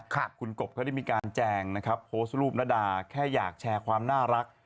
คุณกบเขาได้มีการแจงนะครับโพสต์รูปณดาแค่อยากแชร์ความน่ารัก